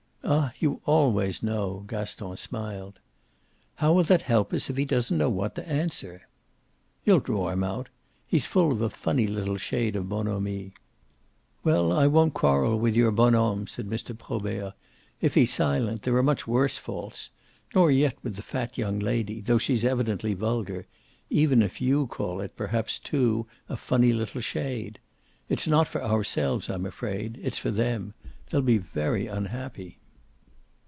"Ah you always know!" Gaston smiled. "How will that help us if he doesn't know what to answer?" "You'll draw him out. He's full of a funny little shade of bonhomie." "Well, I won't quarrel with your bonhomme," said Mr. Probert "if he's silent there are much worse faults; nor yet with the fat young lady, though she's evidently vulgar even if you call it perhaps too a funny little shade. It's not for ourselves I'm afraid; it's for them. They'll be very unhappy."